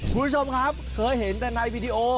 คุณผู้ชมครับเคยเห็นแต่ในวีดีโอ